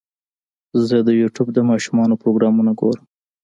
زه د یوټیوب د ماشومانو پروګرامونه ګورم.